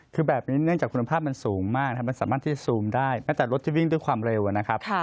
คือแบบนี้เนื่องจากคุณภาพมันสูงมากนะครับมันสามารถที่จะซูมได้แม้แต่รถที่วิ่งด้วยความเร็วนะครับ